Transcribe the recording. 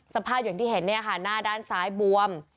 สภาพอย่างที่เห็นเนี่ยค่ะหน้าด้านซ้ายบวม